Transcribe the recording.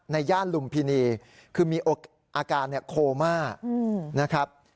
ย่านลุมพินีคือมีอาการโคม่านะครับ